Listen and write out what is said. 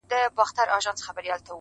یو سړی په اصفهان کي دوکاندار وو!.